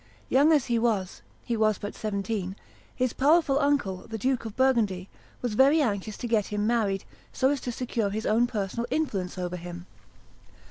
Young as he was (he was but seventeen), his powerful uncle, the Duke of Burgundy, was very anxious to get him married, so as to secure his own personal influence over him.